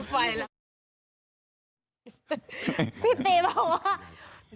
พี่ตีบอกว่า